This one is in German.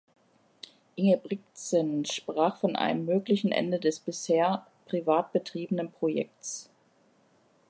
Ingebrigtsen sprach von einem möglichen Ende des bisher privat betriebenen Projekts.